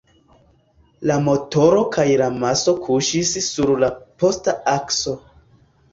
La motoro kaj la maso kuŝis sur la posta akso.